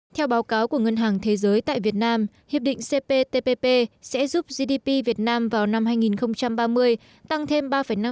theo báo cáo của ngân hàng thế giới tại việt nam hiệp định cptpp sẽ giúp gdp việt nam vào năm hai nghìn ba mươi tăng thêm ba năm